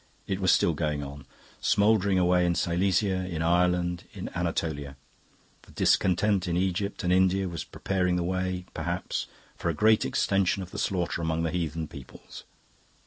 It was still going on, smouldering away in Silesia, in Ireland, in Anatolia; the discontent in Egypt and India was preparing the way, perhaps, for a great extension of the slaughter among the heathen peoples.